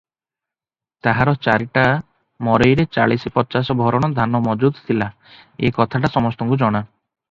ତାହାର ଚାରିଟା ମରେଇରେ ଚାଳିଶ ପଚାଶ ଭରଣ ଧାନ ମଜୁଦ ଥିଲା, ଏ କାଥାଟା ସମସ୍ତଙ୍କୁ ଜଣା ।